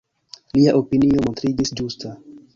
Lia opinio montriĝis ĝusta.